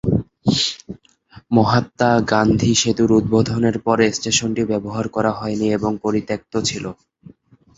মহাত্মা গান্ধী সেতুর উদ্বোধনের পর স্টেশনটি ব্যবহার করা হয়নি এবং পরিত্যক্ত ছিল।